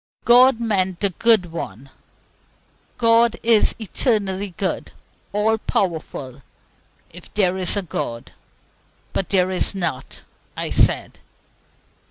God meant "the good one." "God is eternally good, all powerful, if there is a God. But there is not," I said.